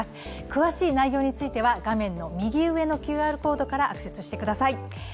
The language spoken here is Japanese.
詳しい内容については画面の右上のＱＲコードからアクセスしてください。